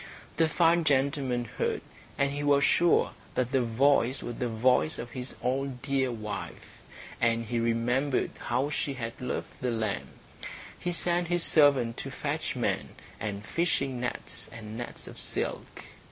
The fine gentleman heard, and he was sure that the voice was the voice of his own dear wife, and he remembered how she had loved the lamb. He sent his servant to fetch men, and fishing nets and nets of silk.